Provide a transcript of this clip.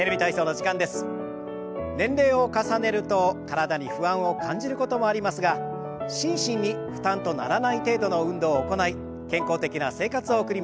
年齢を重ねると体に不安を感じることもありますが心身に負担とならない程度の運動を行い健康的な生活を送りましょう。